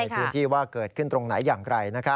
พื้นที่ว่าเกิดขึ้นตรงไหนอย่างไร